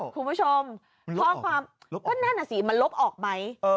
คุณผู้ชมข้อความก็นั่นน่ะสิมันลบออกไหม